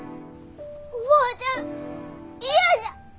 おばあちゃん嫌じゃ！